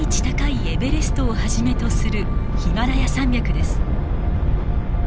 高いエベレストをはじめとするヒマラヤ山脈です。